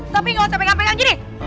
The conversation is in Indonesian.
tapi gausah pegang pegang gini